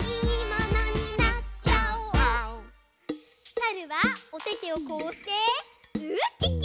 さるはおててをこうしてウッキッキ！